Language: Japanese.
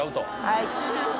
はい。